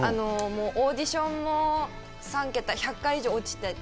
オーディションも３桁、１００回以上落ちて。